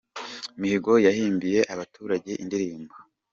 Mihigo yahimbiye abaturajye indirimbo